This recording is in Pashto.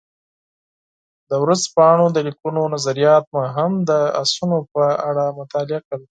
د ورځپاڼو د لیکونکو نظریات مو هم د اسونو په اړه مطالعه کړل.